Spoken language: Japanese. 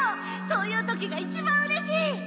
そういう時が一番うれしい！